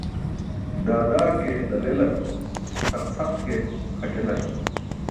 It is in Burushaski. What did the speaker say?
Da da ke dal elar, cʰaq cʰaq ke xaṭ elar.